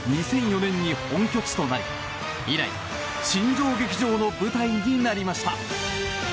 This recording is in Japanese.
２００４年に本拠地となり以来、新庄劇場の舞台になりました。